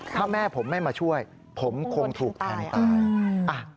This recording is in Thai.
ถ้าแม่ผมไม่มาช่วยผมคงถูกแทงตายอ่ะ